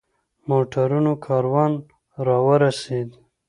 موټرونو کاروان را ورسېد.